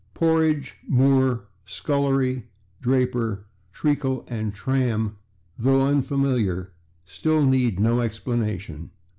/Porridge/, /moor/, /scullery/, /draper/, /treacle/ and /tram/, though unfamiliar, still need no explanation.